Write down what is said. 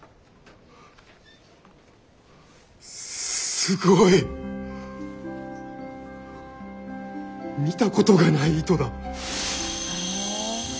すごい。見たことがない糸だ！